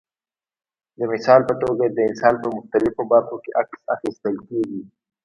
د مثال په توګه د انسان په مختلفو برخو کې عکس اخیستل کېږي.